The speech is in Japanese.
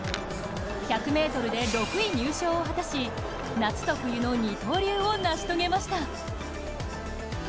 １００ｍで６位入賞を果たし夏と冬の二刀流を成し遂げました。